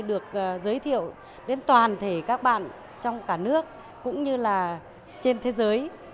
được giới thiệu đến toàn thể các bạn trong cả nước cũng như là trên thế giới